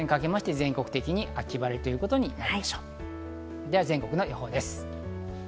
全国の予報です。